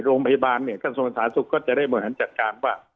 โรงพยาบาลกระทรวมศาสตร์สุขก็จะได้เหมือนหันจัดการว่า